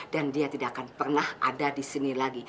dan dia tidak akan pernah ada disini lagi